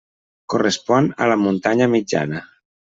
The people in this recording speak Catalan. Correspon a la muntanya mitjana.